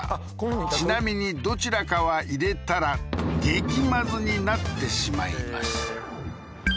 ちなみにどちらかは入れたら激まずになってしまいます